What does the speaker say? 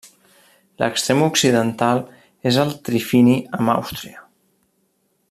L'extrem occidental és el trifini amb Àustria.